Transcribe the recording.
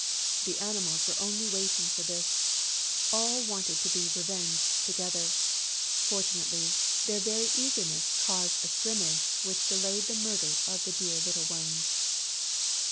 The Animals were only waiting for this! All wanted to be revenged together. Fortunately, their very eagerness caused a scrimmage which delayed the murder of the dear little ones.